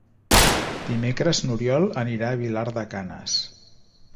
Dimecres n'Oriol anirà a Vilar de Canes.